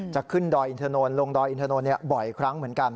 จะขึ้นดอยอินทนนท์ลงดอยอินทนนท์บ่อยครั้งเหมือนกัน